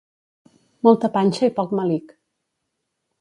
Molta panxa i poc melic.